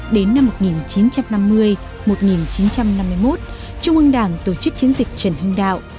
đến năm một nghìn chín trăm năm mươi một nghìn chín trăm năm mươi một trung ương đảng tổ chức chiến dịch trần hưng đạo